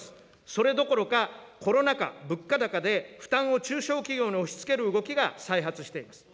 それどころか、コロナ禍、物価高で、負担を中小企業に押しつける動きが再発しています。